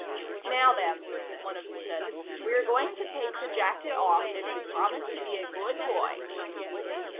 "Now, then," one of them said. "We're going to take the jacket off, if you promise to be a good boy."